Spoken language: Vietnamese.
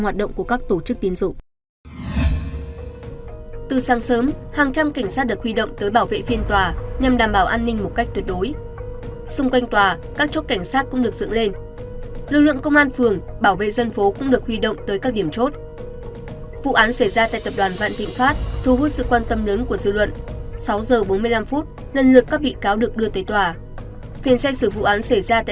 trong hoạt động của các tổ chức tiến sách